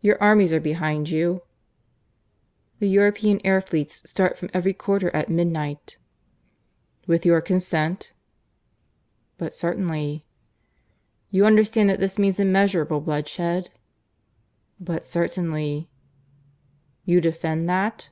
"Your armies are behind you?" "The European air fleets start from every quarter at midnight." "With your consent?" "But certainly." "You understand that this means immeasurable bloodshed?" "But certainly." "You defend that?"